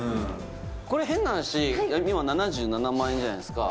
これ変な話今７７万円じゃないですか